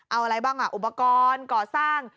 เอาอะไรบ้างอ่ะอุปกรณ์ก่อสร้าง